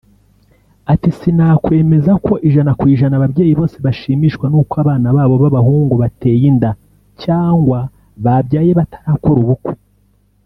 Ati “Sinakwemeza ko % ababyeyi bose bashimishwa n’uko abana babo b’abahungu bateye inda cyangwa babyaye batarakora ubukwe